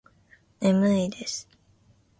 眠いです。